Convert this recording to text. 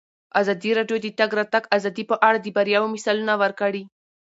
ازادي راډیو د د تګ راتګ ازادي په اړه د بریاوو مثالونه ورکړي.